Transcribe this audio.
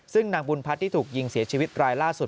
ซึ่งนางบุญพัฒน์ที่ถูกยิงเสียชีวิตรายล่าสุด